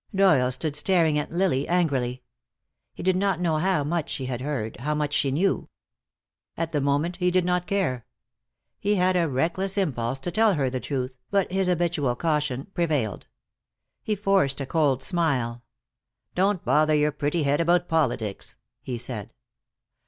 Doyle stood staring at Lily angrily. He did not know how much she had heard, how much she knew. At the moment he did not care. He had a reckless impulse to tell her the truth, but his habitual caution prevailed. He forced a cold smile. "Don't bother your pretty head about politics," he said.